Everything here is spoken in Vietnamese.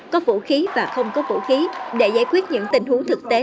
có vũ khí và không có vũ khí để giải quyết những tình huống thực tế